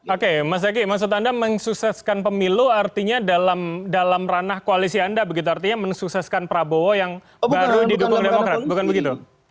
oke mas eki maksud anda mensukseskan pemilu artinya dalam ranah koalisi anda begitu artinya mensukseskan prabowo yang baru didukung demokrat bukan begitu